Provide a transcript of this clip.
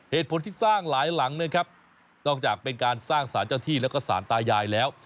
เหตุผลที่สร้างหลายหลังนะครับนอกจากเป็นการสร้างสารเจ้าที่แล้วก็สารตายายแล้ว